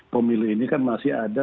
pemilu ini kan masih ada